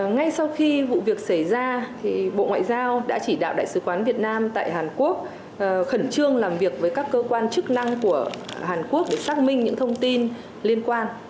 ngay sau khi vụ việc xảy ra bộ ngoại giao đã chỉ đạo đại sứ quán việt nam tại hàn quốc khẩn trương làm việc với các cơ quan chức năng của hàn quốc để xác minh những thông tin liên quan